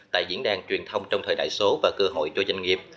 tại diễn đàn truyền thông trong thời đại số và cơ hội cho doanh nghiệp